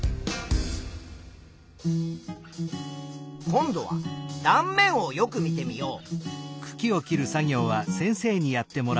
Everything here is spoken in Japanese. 今度は断面をよく見てみよう。